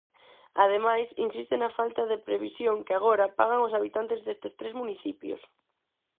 Ademais, insiste na "falta de previsión" que agora "pagan" os habitantes destes tres municipios.